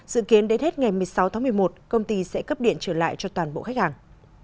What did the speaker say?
dự kiến đến hết ngày một mươi sáu tháng một mươi một công ty sẽ cấp điện trở lại cho toàn bộ khách hàng